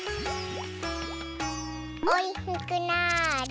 おいしくなあれ。